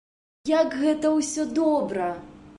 Як гэта ўсё добра!